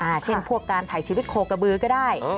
เช่นพวกการถ่ายชีวิตโคกระบือก็ได้